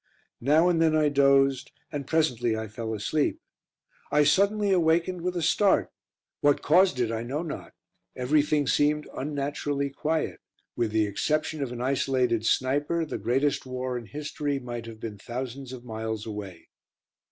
Now and then I dozed, and presently I fell asleep. I suddenly awakened with a start. What caused it I know not; everything seemed unnaturally quiet; with the exception of an isolated sniper, the greatest war in history might have been thousands of miles away.